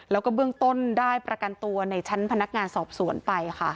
แล้วก็เบื้องต้นได้ประกันตัวในชั้นพนักงานสอบสวนไปค่ะ